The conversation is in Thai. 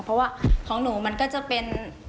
เพราะว่าของหนูมันก็จะเป็น